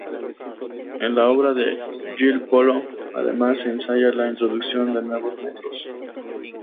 En la obra de Gil Polo, además, se ensaya la introducción de nuevos metros.